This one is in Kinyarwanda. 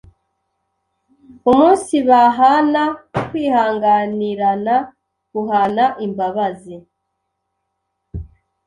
umunsibahana, kwihanganirana, guhana imbabazi,